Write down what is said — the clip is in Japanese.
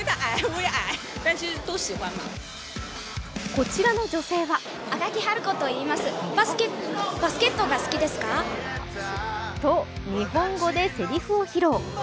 こちらの女性はと、日本語でせりふを披露。